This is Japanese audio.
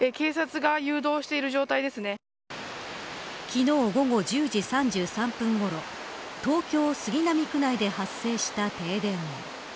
昨日、午後１０時３３分ごろ東京、杉並区内で発生した停電。